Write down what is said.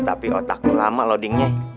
tapi otak lo lama loh dingnya